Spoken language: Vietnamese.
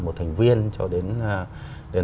một thành viên cho đến